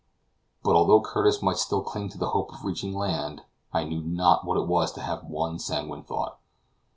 But although Curtis might still cling to the hope of reaching land, I knew not what it was to have one sanguine thought.